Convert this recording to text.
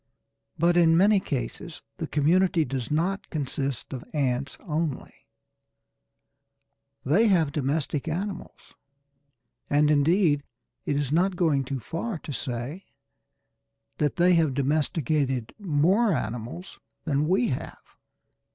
But in many cases the community does not consist of ants only. They have domestic animals, and indeed it is not going too far to say that they have domesticated more animals than we have.